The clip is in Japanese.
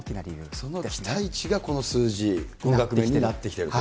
その期待値がこの数字に。になってきてると。